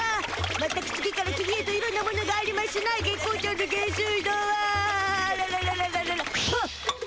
まったく次から次へといろんなものがありましゅな月光町の下水道はあらららららら。